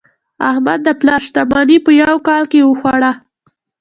احمد د پلار شتمني په یوه کال کې وخوړه.